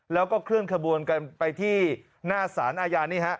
แล้วก็เคลื่อนขบวนกันไปที่หน้าสารอาญานี่ฮะ